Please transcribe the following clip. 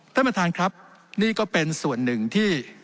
ท่านประธานครับนี่ก็เป็นส่วนหนึ่งที่